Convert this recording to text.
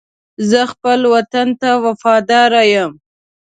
زه خپل وطن ته وفادار یم.